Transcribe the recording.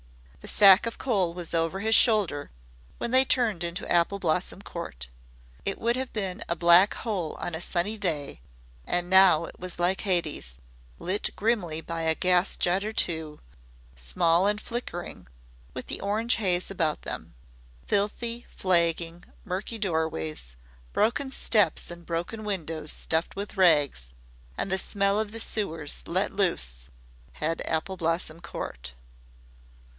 The sack of coal was over his shoulder when they turned into Apple Blossom Court. It would have been a black hole on a sunny day, and now it was like Hades, lit grimly by a gas jet or two, small and flickering, with the orange haze about them. Filthy flagging, murky doorways, broken steps and broken windows stuffed with rags, and the smell of the sewers let loose had Apple Blossom Court.